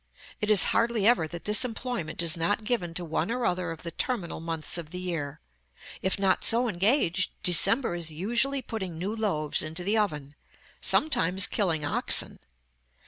_ It is hardly ever that this employment is not given to one or other of the terminal months of the year. If not so engaged, December is usually putting new loaves into the oven; sometimes killing oxen.